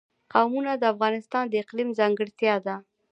قومونه د افغانستان د اقلیم ځانګړتیا ده.